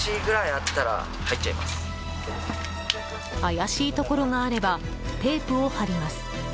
怪しいところがあればテープを貼ります。